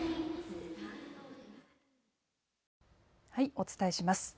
お伝えします。